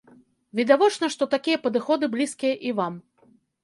Відавочна, што такія падыходы блізкія і вам.